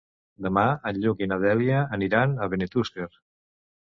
Demà en Lluc i na Dèlia aniran a Benetússer.